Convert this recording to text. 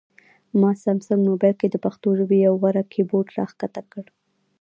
ما سامسنګ مبایل کې د پښتو ژبې یو غوره کیبورډ راښکته کړ